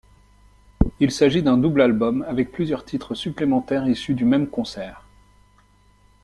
Il s'agit d'un double album, avec plusieurs titres supplémentaires issus du même concert.